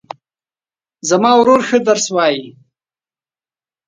زما ورور ښه درس وایي